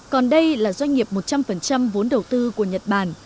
còn đây là doanh nghiệp một trăm linh vốn đầu tư của nhật bản